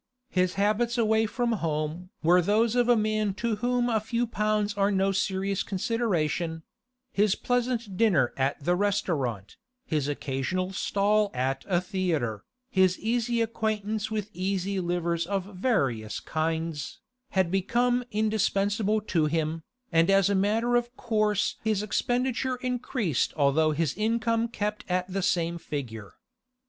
His habits away from home were those of a man to whom a few pounds are no serious consideration; his pleasant dinner at the restaurant, his occasional stall at a theatre, his easy acquaintance with easy livers of various kinds, had become indispensable to him, and as a matter of course his expenditure increased although his income kept at the same figure.